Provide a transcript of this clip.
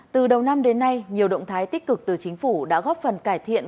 từ đầu năm đến nay nhiều động thái tích cực từ chính phủ đã góp phần cải thiện